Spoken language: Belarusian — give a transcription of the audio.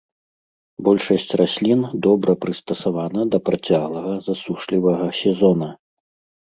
Большасць раслін добра прыстасавана да працяглага засушлівага сезона.